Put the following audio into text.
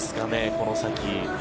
この先。